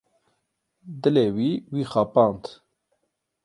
Dilê wî, wî xapand.